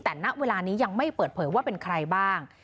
แต่ณเวลานี้ยังไม่เปิดเผยว่าเป็นใครบ้าง